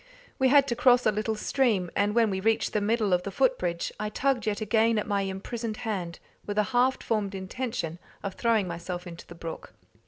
We had to cross a little stream, and when we reached the middle of the foot bridge, I tugged yet again at my imprisoned hand, with a half formed intention of throwing myself into the brook.